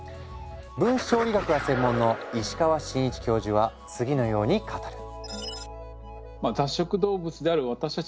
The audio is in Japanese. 分子調理学が専門の石川伸一教授は次のように語る。